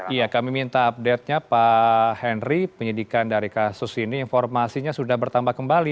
iya kami minta update nya pak henry penyidikan dari kasus ini informasinya sudah bertambah kembali